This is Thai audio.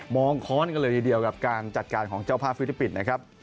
ค้อนกันเลยทีเดียวกับการจัดการของเจ้าภาพฟิลิปปินส์นะครับ